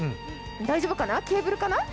大丈夫かな、ケーブルかな。